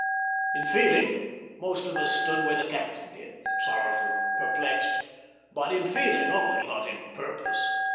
In feeling, most of us stood where this captain did, sorrowful, perplexed; but in feeling only, not in purpose.